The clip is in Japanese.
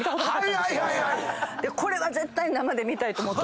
絶対生で見たいと思って。